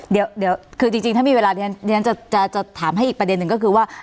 เดี๋ยวคือจริงถ้ามีเวลาเรียนจะถามให้อีกประเด็นหนึ่งก็คือว่า